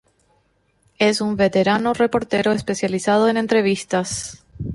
Es un veterano reportero especializado en entrevistas.